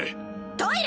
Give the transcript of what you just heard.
トイレ！